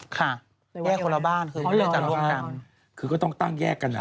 ค่ะแยกคนละบ้านคือต้องตั้งแยกกัน